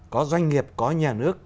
có doanh nghiệp có nhà nước